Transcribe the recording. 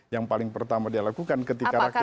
yang paling pertama dia lakukan ketika rakyat